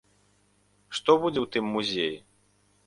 Што будзе ў тым музеі?